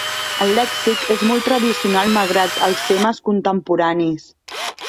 El lèxic és molt tradicional malgrat els temes contemporanis.